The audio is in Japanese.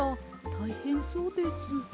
たいへんそうです。